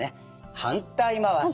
反対回し。